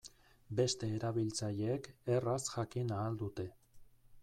Beste erabiltzaileek erraz jakin ahal dute.